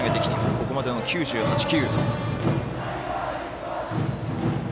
ここまでの９８球。